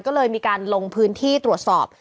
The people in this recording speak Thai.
ก็เลยมีการลงพื้นที่ตรวจสอบ